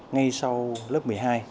ngay sau lớp một mươi hai